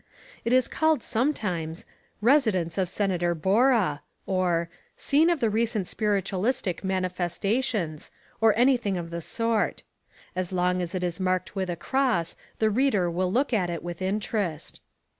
It is called sometimes: "Residence of Senator Borah" or "Scene of the Recent Spiritualistic Manifestations" or anything of the sort. As long as it is marked with a cross (+) the reader will look at it with interest.